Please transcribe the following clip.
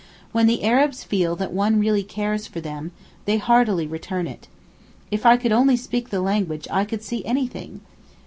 When the Arabs feel that one really cares for them, they heartily return it. If I could only speak the language I could see anything.